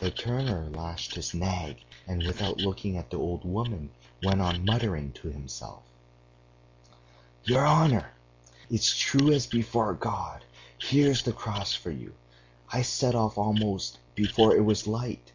The turner lashed his nag, and without looking at the old woman went on muttering to himself: "'Your honor! It's true as before God.... Here's the Cross for you, I set off almost before it was light.